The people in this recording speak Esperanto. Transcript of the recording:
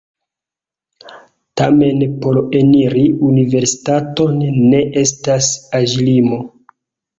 Tamen por eniri universitaton ne estas aĝlimo.